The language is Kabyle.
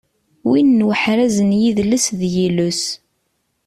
Win n uḥraz n yidles d yiles.